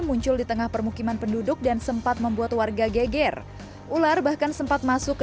muncul di tengah permukiman penduduk dan sempat membuat warga geger ular bahkan sempat masuk ke